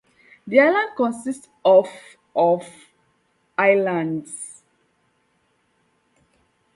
The island consists of of highlands.